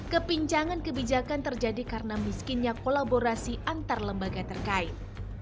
kepincangan kebijakan terjadi karena miskinnya kolaborasi antar lembaga terkait